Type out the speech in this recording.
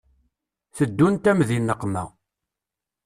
Teddunt-am di nneqma.